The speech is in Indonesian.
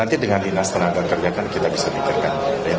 nanti dengan dinas tenaga kerja kan kita bisa pikirkan